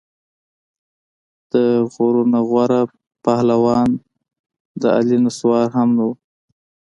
د غورو نه غوره پهلوان د علي نسوار هم نه وو.